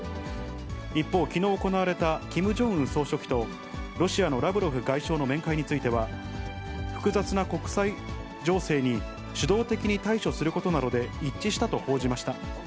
一方、きのう行われたキム・ジョンウン総書記とロシアのラブロフ外相の面会については、複雑な国際情勢に主導的に対処することなどで一致したと報じました。